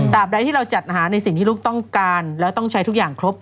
ใดที่เราจัดหาในสิ่งที่ลูกต้องการแล้วต้องใช้ทุกอย่างครบ